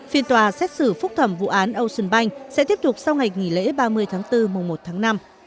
phiên tòa xét xử phúc thẩm vụ án ocean bank sẽ tiếp tục sau ngày nghỉ lễ ba mươi tháng bốn mùa một tháng năm